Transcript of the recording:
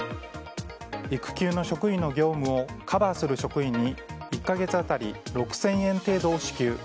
育休の職員の業務をカバーする職員に１か月当たり６０００円程度支給。